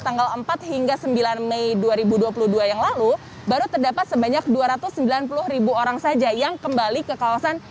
tanggal empat hingga sembilan mei dua ribu dua puluh dua yang lalu baru terdapat sebanyak dua ratus sembilan puluh ribu orang saja yang kembali ke kawasan